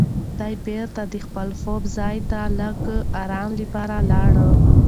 دی بېرته د خوب ځای ته د لږ ارام لپاره لاړ.